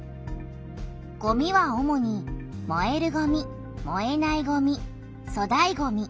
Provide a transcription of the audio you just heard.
ごみは主にもえるごみもえないごみそだいごみ